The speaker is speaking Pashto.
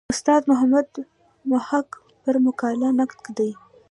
استاد محمد محق پر مقاله نقد دی.